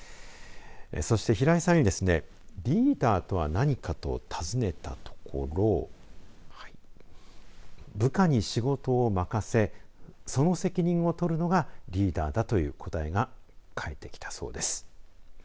そして平井さんにですねリーダーとは何かと尋ねたところ部下に仕事を任せその責任を取るのがリーダーだという答えが返ってきたそうです。